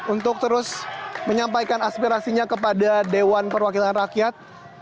untuk terus menyampaikan aspirasinya kepada dewan perwakilan rakyat